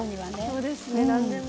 そうですね何でも。